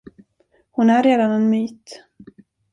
Hon är redan en myt.